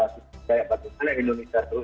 seperti indonesia terus